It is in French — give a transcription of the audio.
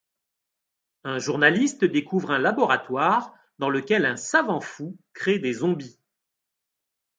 Un journaliste découvre un laboratoire dans lequel un savant fou crée des zombies.